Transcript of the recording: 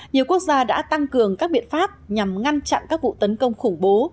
nhiều quốc gia đã tăng cường các biện pháp nhằm ngăn chặn các vụ tấn công khủng bố